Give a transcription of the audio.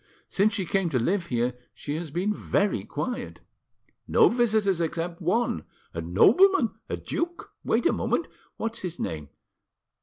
Since she came to live here she has been very quiet. No visitors except one—a nobleman, a duke—wait a moment! What's his name?